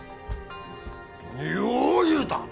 よう言うた！